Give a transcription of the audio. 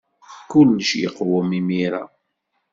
Kullec yeqwem imir-a.